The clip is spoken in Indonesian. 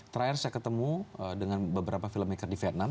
terakhir saya ketemu dengan beberapa filmmaker di vietnam